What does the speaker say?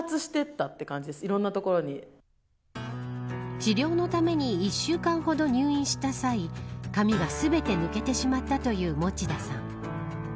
治療のために１週間ほど入院した際髪が全て抜けてしまったという餅田さん。